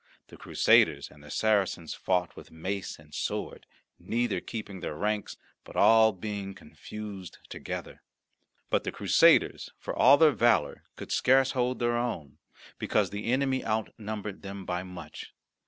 The Crusaders and the Saracens fought with mace and sword, neither keeping their ranks, but all being confused together. But the Crusaders, for all their valour, could scarce hold their own, because the enemy outnumbered them by much.